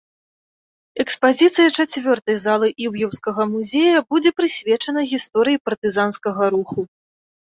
Экспазіцыя чацвёртай залы іўеўскага музея будзе прысвечана гісторыі партызанскага руху.